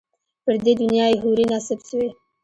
پر دې دنیا یې حوري نصیب سوې